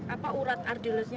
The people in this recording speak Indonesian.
apa urat ardilesnya